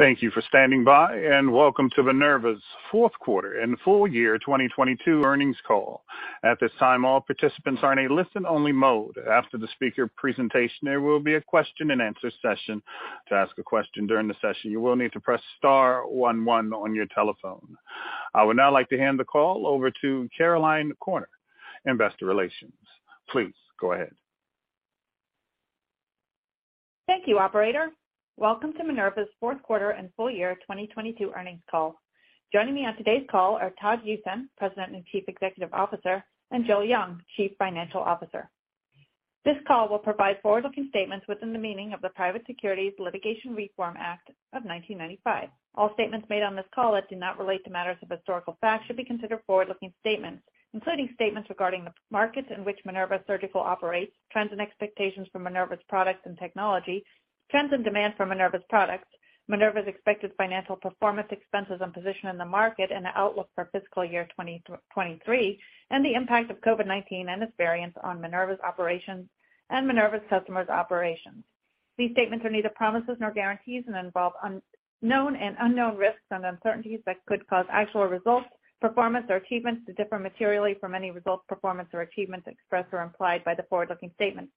Thank you for standing by and welcome to Minerva's fourth quarter and full year 2022 earnings call. At this time, all participants are in a listen-only mode. After the speaker presentation, there will be a question-and-answer session. To ask a question during the session, you will need to press star one one on your telephone. I would now like to hand the call over to Caroline Corner, Investor Relations. Please go ahead. Thank you, operator. Welcome to Minerva's fourth quarter and full year 2022 earnings call. Joining me on today's call are Todd Usen, President and Chief Executive Officer, and Joel Jung, Chief Financial Officer. This call will provide forward-looking statements within the meaning of the Private Securities Litigation Reform Act of 1995. All statements made on this call that do not relate to matters of historical fact should be considered forward-looking statements, including statements regarding the markets in which Minerva Surgical operates, trends and expectations for Minerva's products and technology, trends and demand for Minerva's products, Minerva's expected financial performance, expenses and position in the market and the outlook for fiscal year 2023, and the impact of COVID-19 and its variants on Minerva's operations and Minerva's customers' operations. These statements are neither promises nor guarantees and involve unknown and unknown risks and uncertainties that could cause actual results, performance or achievements to differ materially from any results, performance or achievements expressed or implied by the forward-looking statements.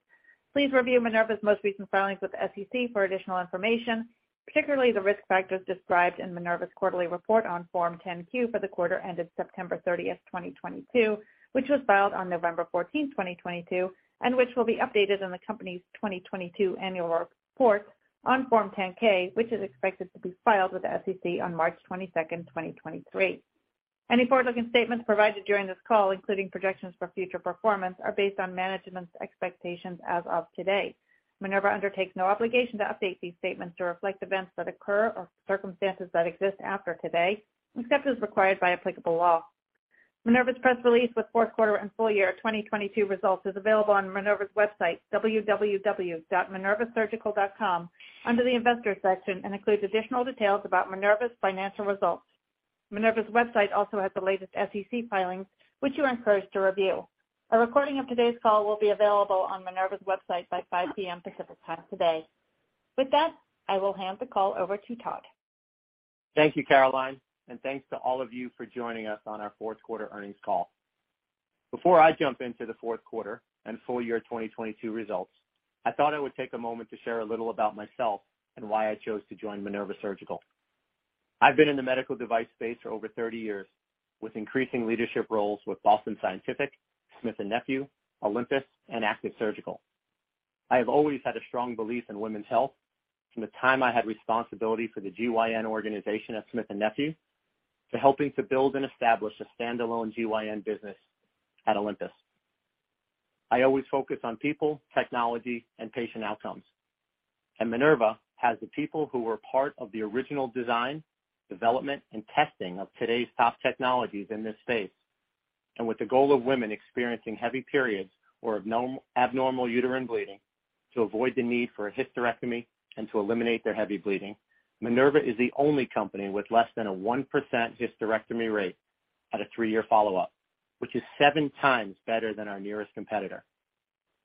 Please review Minerva's most recent filings with the SEC for additional information, particularly the risk factors described in Minerva's quarterly report on Form 10-Q for the quarter ended September 30th, 2022, which was filed on November 14th, 2022, and which will be updated in the company's 2022 annual report on Form 10-K, which is expected to be filed with the SEC on March 22nd, 2023. Any forward-looking statements provided during this call, including projections for future performance, are based on management's expectations as of today. Minerva undertakes no obligation to update these statements to reflect events that occur or circumstances that exist after today, except as required by applicable law. Minerva's press release with fourth quarter and full year 2022 results is available on Minerva's website, www.minervasurgical.com, under the Investors section, and includes additional details about Minerva's financial results. Minerva's website also has the latest SEC filings, which you are encouraged to review. A recording of today's call will be available on Minerva's website by 5:00 P.M. Pacific Time today. With that, I will hand the call over to Todd. Thank you, Caroline, and thanks to all of you for joining us on our fourth quarter earnings call. Before I jump into the fourth quarter and full year 2022 results, I thought I would take a moment to share a little about myself and why I chose to join Minerva Surgical. I've been in the medical device space for over 30 years, with increasing leadership roles with Boston Scientific, Smith+Nephew, Olympus and Activ Surgical. I have always had a strong belief in women's health from the time I had responsibility for the GYN organization at Smith+Nephew to helping to build and establish a standalone GYN business at Olympus. I always focus on people, technology and patient outcomes. Minerva has the people who were part of the original design, development and testing of today's top technologies in this space. With the goal of women experiencing heavy periods or abnormal uterine bleeding to avoid the need for a hysterectomy and to eliminate their heavy bleeding, Minerva is the only company with less than a 1% hysterectomy rate at a three-year follow-up, which is seven times better than our nearest competitor,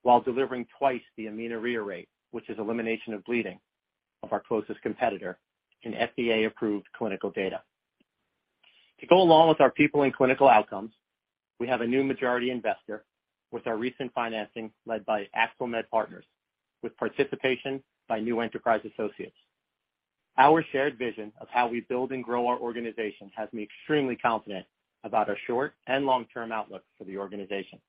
while delivering two times the amenorrhea rate, which is elimination of bleeding, of our closest competitor in FDA-approved clinical data. To go along with our people and clinical outcomes, we have a new majority investor with our recent financing led by Accelmed Partners, with participation by New Enterprise Associates. Our shared vision of how we build and grow our organization has me extremely confident about our short- and long-term outlook for the organization.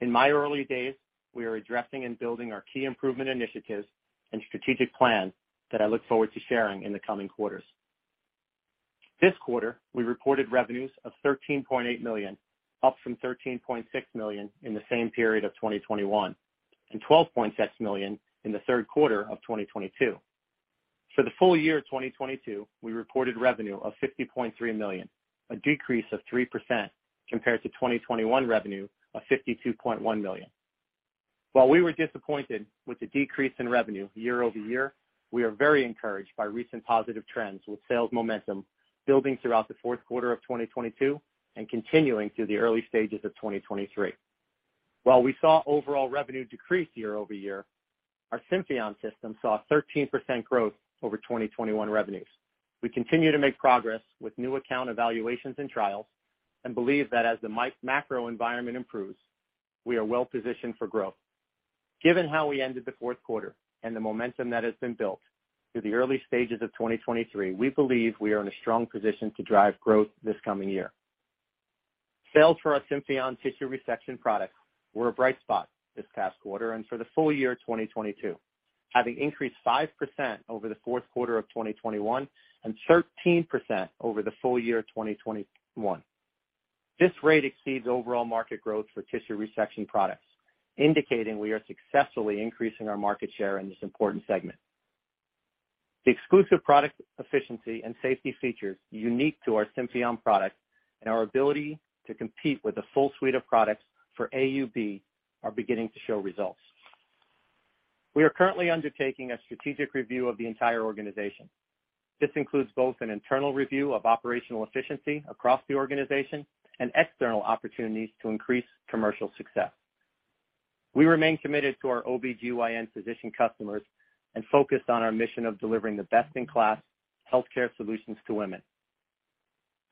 In my early days, we are addressing and building our key improvement initiatives and strategic plans that I look forward to sharing in the coming quarters. This quarter, we reported revenues of $13.8 million, up from $13.6 million in the same period of 2021 and $12.6 million in the third quarter of 2022. For the full year 2022, we reported revenue of $50.3 million, a decrease of 3% compared to 2021 revenue of $52.1 million. While we were disappointed with the decrease in revenue year-over-year, we are very encouraged by recent positive trends, with sales momentum building throughout the fourth quarter of 2022 and continuing through the early stages of 2023. While we saw overall revenue decrease year-over-year, our Symphion system saw a 13% growth over 2021 revenues. We continue to make progress with new account evaluations and trials and believe that as the macro environment improves, we are well positioned for growth. Given how we ended the fourth quarter and the momentum that has been built through the early stages of 2023, we believe we are in a strong position to drive growth this coming year. Sales for our Symphion tissue resection products were a bright spot this past quarter and for the full year 2022, having increased 5% over the fourth quarter of 2021 and 13% over the full year 2021. This rate exceeds overall market growth for tissue resection products, indicating we are successfully increasing our market share in this important segment. The exclusive product efficiency and safety features unique to our Symphion product and our ability to compete with a full suite of products for AUB are beginning to show results. We are currently undertaking a strategic review of the entire organization. This includes both an internal review of operational efficiency across the organization and external opportunities to increase commercial success. We remain committed to our OBGYN physician customers and focused on our mission of delivering the best-in-class healthcare solutions to women.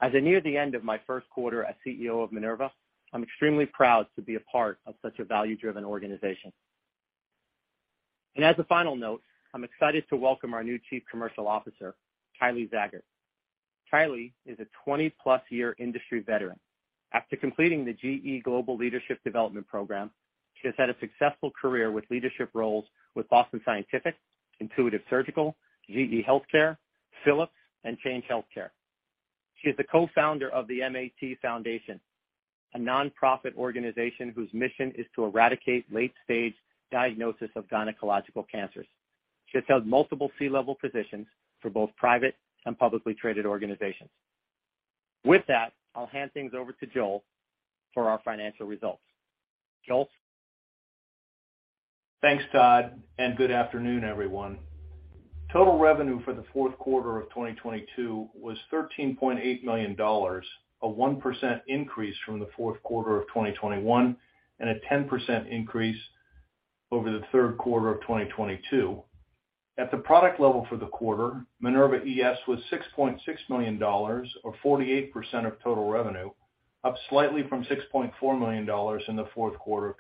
As I near the end of my first quarter as CEO of Minerva, I'm extremely proud to be a part of such a value-driven organization. As a final note, I'm excited to welcome our new Chief Commercial Officer, Kaile Zagger. Kaile is a 20+ year industry veteran. After completing the GE Global Leadership Development Program, she has had a successful career with leadership roles with Boston Scientific, Intuitive Surgical, GE HealthCare, Philips, and Change Healthcare. She is the co-founder of the MAT Foundation, a nonprofit organization whose mission is to eradicate late-stage diagnosis of gynecological cancers. She has held multiple C-level positions for both private and publicly traded organizations. With that, I'll hand things over to Joel for our financial results. Joel? Thanks, Todd. Good afternoon, everyone. Total revenue for the fourth quarter of 2022 was $13.8 million, a 1% increase from the fourth quarter of 2021 and a 10% increase over the third quarter of 2022. At the product level for the quarter, Minerva ES was $6.6 million or 48% of total revenue, up slightly from $6.4 million in the fourth quarter of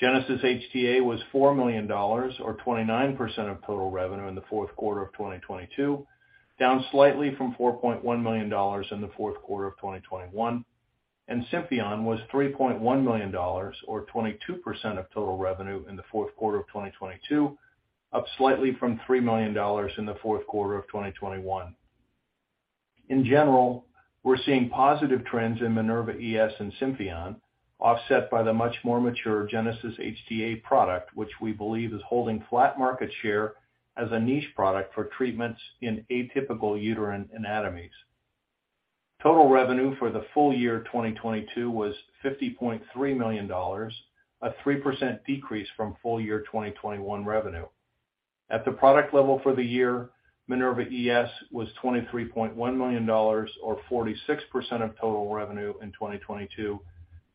2021. Genesys HTA was $4 million or 29% of total revenue in the fourth quarter of 2022, down slightly from $4.1 million in the fourth quarter of 2021. Symphion was $3.1 million or 22% of total revenue in the fourth quarter of 2022, up slightly from $3 million in the fourth quarter of 2021. In general, we're seeing positive trends in Minerva ES and Symphion offset by the much more mature Genesys HTA product, which we believe is holding flat market share as a niche product for treatments in atypical uterine anatomies. Total revenue for the full year 2022 was $50.3 million, a 3% decrease from full year 2021 revenue. At the product level for the year, Minerva ES was $23.1 million or 46% of total revenue in 2022,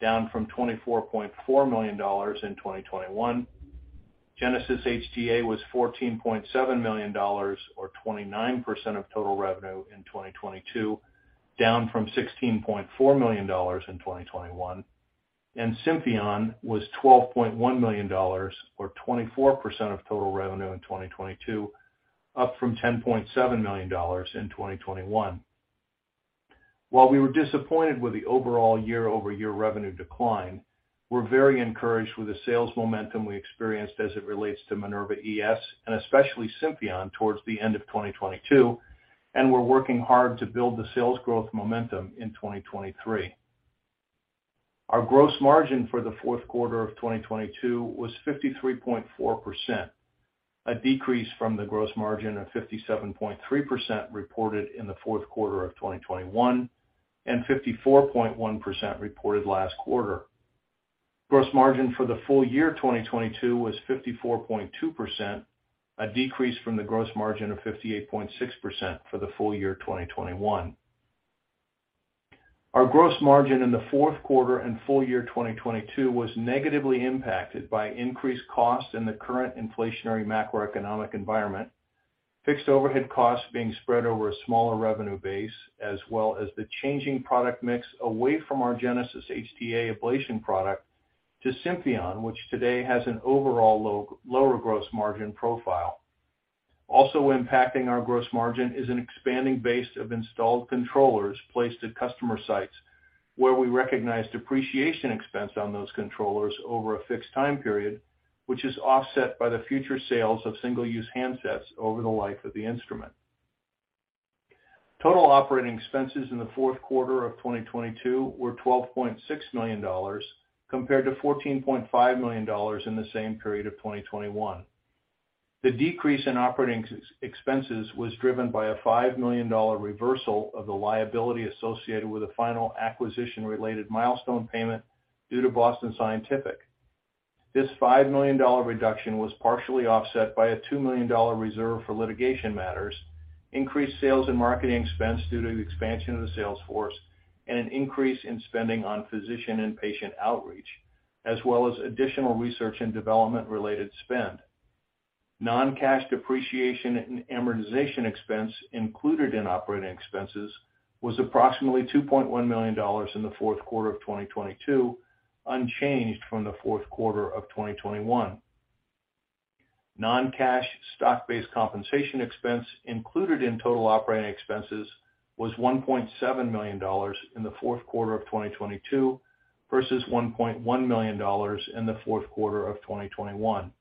down from $24.4 million in 2021. Genesys HTA was $14.7 million or 29% of total revenue in 2022, down from $16.4 million in 2021. Symphion was $12.1 million or 24% of total revenue in 2022, up from $10.7 million in 2021. While we were disappointed with the overall year-over-year revenue decline, we're very encouraged with the sales momentum we experienced as it relates to Minerva ES and especially Symphion towards the end of 2022. We're working hard to build the sales growth momentum in 2023. Our gross margin for the fourth quarter of 2022 was 53.4%, a decrease from the gross margin of 57.3% reported in the fourth quarter of 2021, and 54.1% reported last quarter. Gross margin for the full year 2022 was 54.2%, a decrease from the gross margin of 58.6% for the full year 2021. Our gross margin in the fourth quarter and full year 2022 was negatively impacted by increased costs in the current inflationary macroeconomic environment, fixed overhead costs being spread over a smaller revenue base, as well as the changing product mix away from our Genesys HTA ablation product to Symphion, which today has an overall low-lower gross margin profile. Also impacting our gross margin is an expanding base of installed controllers placed at customer sites, where we recognize depreciation expense on those controllers over a fixed time period, which is offset by the future sales of single-use handsets over the life of the instrument. Total operating expenses in the fourth quarter of 2022 were $12.6 million compared to $14.5 million in the same period of 2021. The decrease in operating expenses was driven by a $5 million reversal of the liability associated with a final acquisition-related milestone payment due to Boston Scientific. This $5 million reduction was partially offset by a $2 million reserve for litigation matters, increased sales and marketing expense due to the expansion of the sales force, and an increase in spending on physician and patient outreach, as well as additional research and development-related spend. Non-cash depreciation and amortization expense included in operating expenses was approximately $2.1 million in the fourth quarter of 2022, unchanged from the fourth quarter of 2021. Non-cash stock-based compensation expense included in total operating expenses was $1.7 million in the fourth quarter of 2022 versus $1.1 million in the fourth quarter of 2021.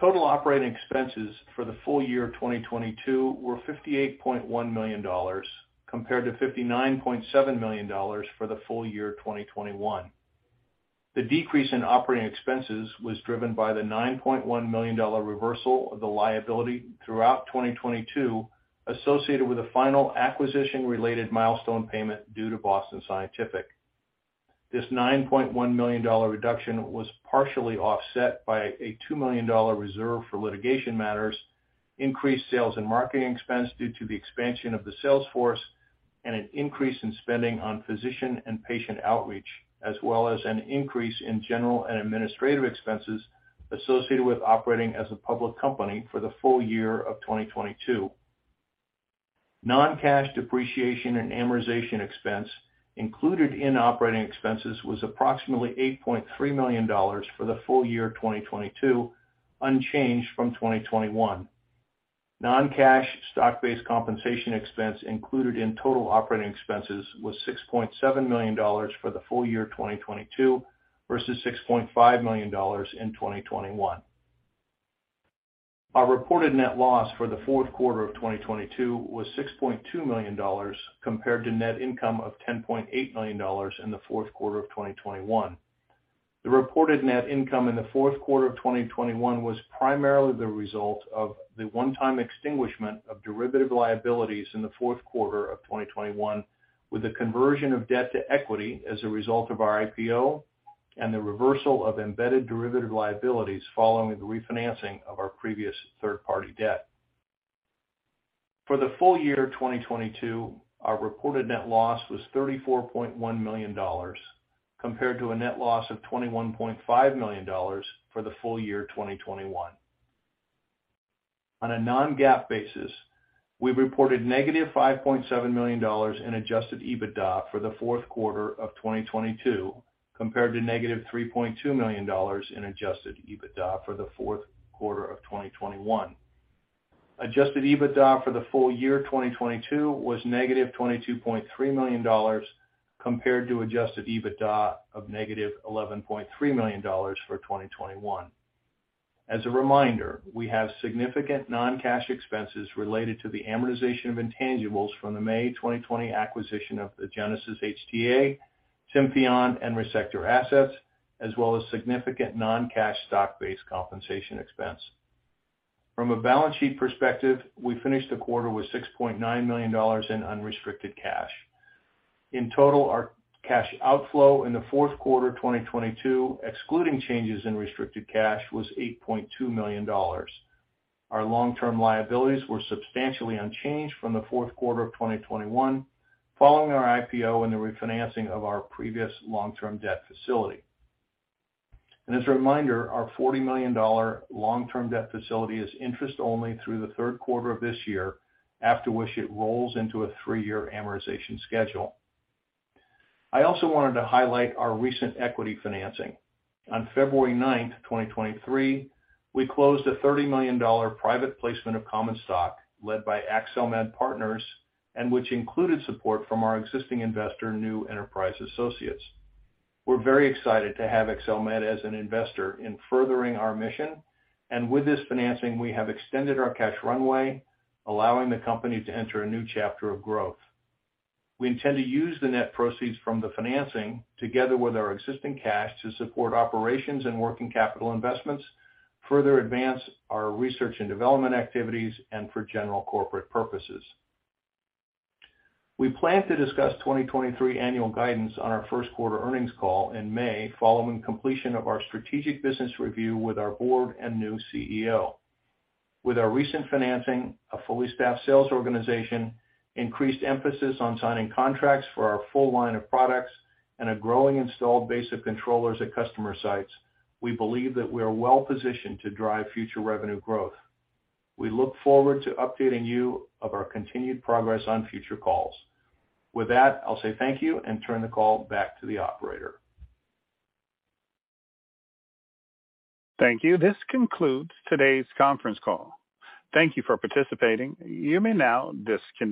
Total operating expenses for the full year 2022 were $58.1 million compared to $59.7 million for the full year 2021. The decrease in operating expenses was driven by the $9.1 million reversal of the liability throughout 2022 associated with a final acquisition-related milestone payment due to Boston Scientific. This $9.1 million reduction was partially offset by a $2 million reserve for litigation matters. Increased sales and marketing expense due to the expansion of the sales force and an increase in spending on physician and patient outreach, as well as an increase in general and administrative expenses associated with operating as a public company for the full year of 2022. Non-cash depreciation and amortization expense included in operating expenses was approximately $8.3 million for the full year 2022, unchanged from 2021. Non-cash stock-based compensation expense included in total operating expenses was $6.7 million for the full year 2022 versus $6.5 million in 2021. Our reported net loss for the fourth quarter of 2022 was $6.2 million compared to net income of $10.8 million in the fourth quarter of 2021. The reported net income in the fourth quarter of 2021 was primarily the result of the one-time extinguishment of derivative liabilities in the fourth quarter of 2021, with the conversion of debt to equity as a result of our IPO and the reversal of embedded derivative liabilities following the refinancing of our previous third-party debt. For the full year 2022, our reported net loss was $34.1 million compared to a net loss of $21.5 million for the full year 2021. On a non-GAAP basis, we reported negative $5.7 million in adjusted EBITDA for the fourth quarter of 2022 compared to negative $3.2 million in adjusted EBITDA for the fourth quarter of 2021. Adjusted EBITDA for the full year 2022 was negative $22.3 million compared to adjusted EBITDA of negative $11.3 million for 2021. As a reminder, we have significant non-cash expenses related to the amortization of intangibles from the May 2020 acquisition of the Genesys HTA, Symphion and Resectr assets, as well as significant non-cash stock-based compensation expense. From a balance sheet perspective, we finished the quarter with $6.9 million in unrestricted cash. In total, our cash outflow in the fourth quarter 2022, excluding changes in restricted cash, was $8.2 million. Our long-term liabilities were substantially unchanged from the fourth quarter of 2021 following our IPO and the refinancing of our previous long-term debt facility. As a reminder, our $40 million long-term debt facility is interest only through the third quarter of this year, after which it rolls into a three-year amortization schedule. I also wanted to highlight our recent equity financing. On February 9, 2023, we closed a $30 million private placement of common stock led by Accelmed Partners which included support from our existing investor, New Enterprise Associates. We're very excited to have Accelmed as an investor in furthering our mission. With this financing, we have extended our cash runway, allowing the company to enter a new chapter of growth. We intend to use the net proceeds from the financing together with our existing cash to support operations and working capital investments, further advance our research and development activities, and for general corporate purposes. We plan to discuss 2023 annual guidance on our first quarter earnings call in May following completion of our strategic business review with our board and new CEO. With our recent financing, a fully staffed sales organization, increased emphasis on signing contracts for our full line of products, and a growing installed base of controllers at customer sites, we believe that we are well-positioned to drive future revenue growth. We look forward to updating you of our continued progress on future calls. With that, I'll say thank you and turn the call back to the operator. Thank you. This concludes today's conference call. Thank you for participating. You may now disconnect.